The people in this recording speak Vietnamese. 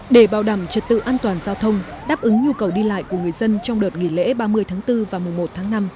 để bảo đảm trật tự an toàn giao thông đáp ứng nhu cầu đi lại của người dân trong đợt nghỉ lễ ba mươi tháng bốn và một mươi một tháng năm